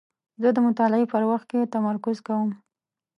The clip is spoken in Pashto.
زه د مطالعې په وخت کې تمرکز کوم.